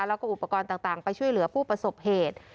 แล้วก็อุปกรณ์ต่างไปช่วยเหลือผู้ประสบเหตุ